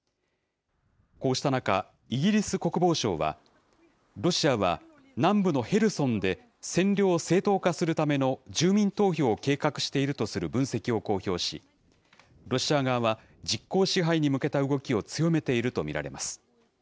こうした中、イギリス国防省は、ロシアは南部のヘルソンで占領を正当化するための住民投票を計画しているとする分析を公表し、ロシア側は実効支配に向けた動きを強めていると見られます。